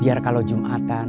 biar kalau jumatan